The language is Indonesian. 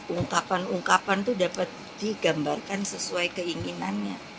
ungkapan ungkapan itu dapat digambarkan sesuai keinginannya